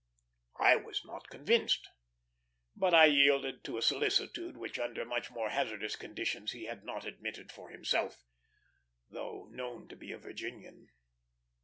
I was not convinced; but I yielded to a solicitude which under much more hazardous conditions he had not admitted for himself, though known to be a Virginian.